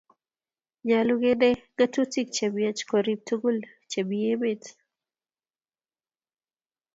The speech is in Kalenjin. Nyolu kente ng'atutik che miach korib tuguk chemi emet.